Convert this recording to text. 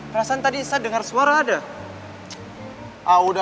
perasaan tadi saya dengar suara ada